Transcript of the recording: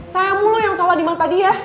saya mulu yang salah di mata dia